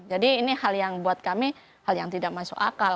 jadi ini hal yang buat kami hal yang tidak masuk akal